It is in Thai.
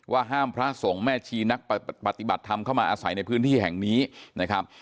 ห้ามพระสงฆ์แม่ชีนักปฏิบัติธรรมเข้ามาอาศัยในพื้นที่แห่งนี้นะครับ